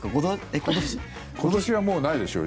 今年は、もうないでしょ。